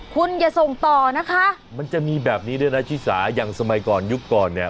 คุณอย่าส่งต่อนะคะมันจะมีแบบนี้ด้วยนะชิสาอย่างสมัยก่อนยุคก่อนเนี่ย